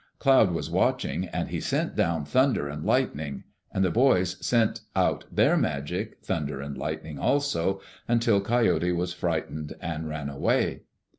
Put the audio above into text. Cloud was watching and he sent down thunder and lightning. And the boys sent out their magic thunder and lightning also, until Coyote was frightened and ran away.